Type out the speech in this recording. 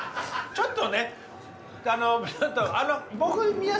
ちょっと。